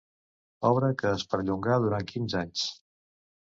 Obra que es perllongà durant quinze anys.